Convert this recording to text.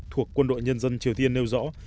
thuộc quân đội nhân dân triều tiên nêu rõ